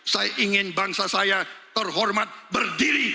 saya ingin bangsa saya terhormat berdiri